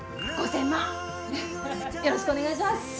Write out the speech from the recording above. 「５千万よろしくお願いします」